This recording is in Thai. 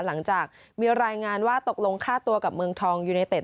หลังจากมีรายงานว่าตกลงค่าตัวกับเมืองทองยูเนเต็ด